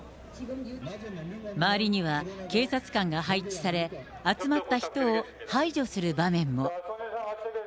周りには警察官が配置され、集まった人を排除する場面も。